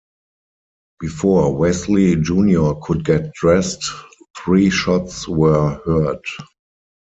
Before Wesley Junior could get dressed, three shots were heard.